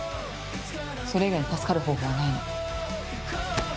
それ以外に助かる方法はないの。